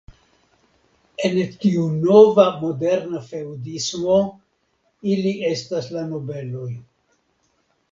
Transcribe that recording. En tiu nova moderna feŭdismo ili estas la nobeloj.